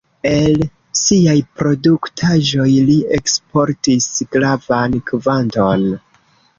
El siaj produktaĵoj li eksportis gravan kvanton.